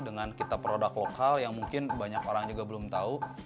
dengan kita produk lokal yang mungkin banyak orang juga belum tahu